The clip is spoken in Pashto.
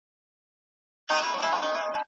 خیبره! چې وي لوی افغانستان او ته یې زړه یې!